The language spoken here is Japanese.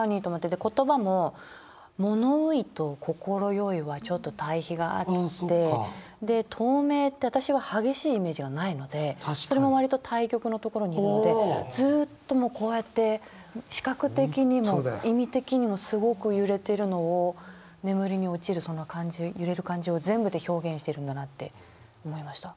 で言葉も「ものうい」と「こころよい」はちょっと対比があってで「透明」って私は激しいイメージはないのでそれも割と対極のところにいるのでずっともうこうやって視覚的にも意味的にもすごく揺れてるのを眠りに落ちるその感じ揺れる感じを全部で表現してるんだなって思いました。